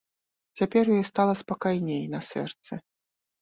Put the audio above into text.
Цяпер ёй стала спакайней на сэрцы.